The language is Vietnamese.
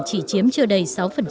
chỉ chiếm chưa đầy sáu